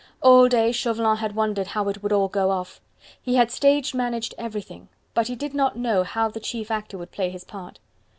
All day Chauvelin had wondered how it would all go off. He had stage managed everything, but he did not know how the chief actor would play his part.